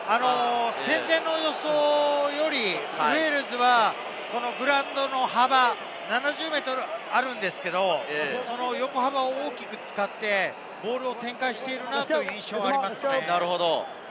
戦前の予想よりウェールズは、グラウンドの幅が７０ｍあるんですけれど、横幅を大きく使って、ボールを展開している印象がありますね。